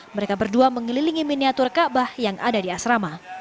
mereka berdua mengelilingi miniatur kaabah yang ada di asrama